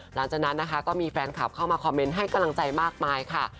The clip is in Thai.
หลังจากนั้นนะคะก็มีแฟนคลับเข้ามาคอมเมนต์ให้กำลังใจมากมายค่ะ